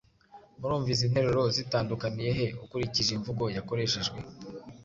Murumva izi nteruro zitandukaniye he ukurikije imvugo yakoreshejwe?